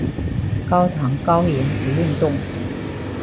高糖高盐不运动